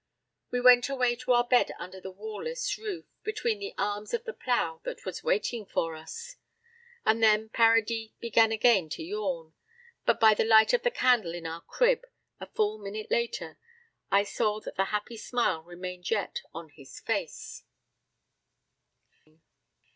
We went away to our bed under the wall less roof, between the arms of the plow that was waiting for us. And then Paradis began again to yawn; but by the light of the candle in our crib, a full minute later, I saw that the happy smile remained yet on his face.